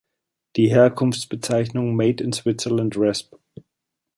Die Herkunftsbezeichnung Made in Switzerland resp.